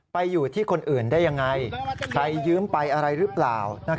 ไปอยู่ที่คนอื่นได้ยังไงใครยืมไปอะไรหรือเปล่า